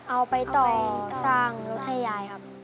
เอาไปต่อสร้างรถให้ยายครับ